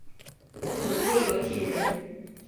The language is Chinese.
祖父刘体仁。